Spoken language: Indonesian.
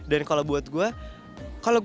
dan kalau buat gue